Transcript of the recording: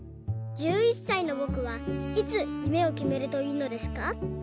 １１さいのぼくはいつ夢を決めるといいのですか？」。